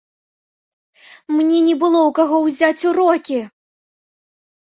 Мне не было ў каго ўзяць урокі!